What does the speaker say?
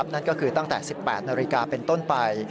นั่นก็คือตั้งแต่๑๘นาฬิกาเป็นต้นไป